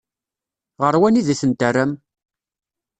Ɣer wanida i ten-terram?